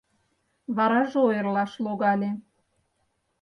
— Вараже ойырлаш логале.